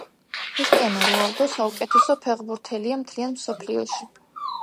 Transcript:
ქრისტიანო როალდო საუკეთესო ფეხბურთელია მთლიან მსოფლიოში